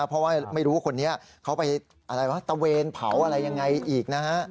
เพราะว่าไม่รู้คนนี้เขาไปอะไรวะตะเวนเผาอะไรยังไงอีกนะฮะ